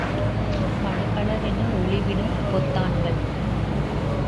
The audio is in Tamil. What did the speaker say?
பளபளவென்று ஒளிவிடும் பொத்தான்கள்.